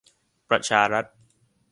ประชารัฐ